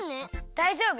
だいじょうぶ！